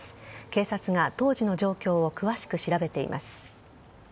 警察が当時の状況を詳しく調べています。